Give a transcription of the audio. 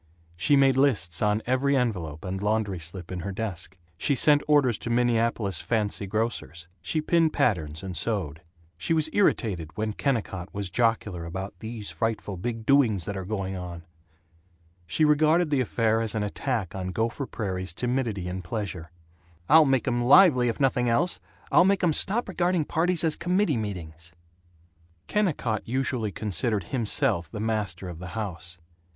She made lists on every envelope and laundry slip in her desk. She sent orders to Minneapolis "fancy grocers." She pinned patterns and sewed. She was irritated when Kennicott was jocular about "these frightful big doings that are going on." She regarded the affair as an attack on Gopher Prairie's timidity in pleasure. "I'll make 'em lively, if nothing else. I'll make 'em stop regarding parties as committee meetings." Kennicott usually considered himself the master of the house.